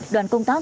đoàn công tác